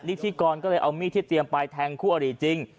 พิธีกรก็เลยเอามีดที่เตรียมไปแทงคู่อริจริง